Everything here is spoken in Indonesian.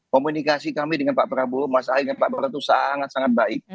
komunikasi kami dengan pak prabowo mas ahy dengan pak prabowo itu sangat sangat baik